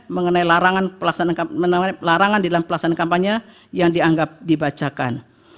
mengenai larangan di dalam pelaksanaan kampanye yang dianggap dibacakan